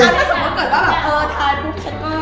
อันนั้นสมมติก่อนก็แบบเออทาน